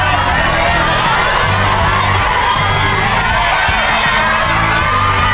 ครบแล้วลูกครบแล้ว